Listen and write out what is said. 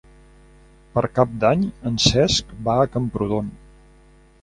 Per Cap d'Any en Cesc va a Camprodon.